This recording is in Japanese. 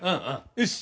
よし！